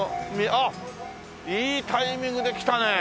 あっいいタイミングで来たね！